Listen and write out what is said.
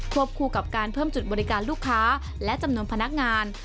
คู่กับการเพิ่มจุดบริการลูกค้าและจำนวนพนักงาน